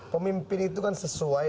pemimpin itu kan sesuai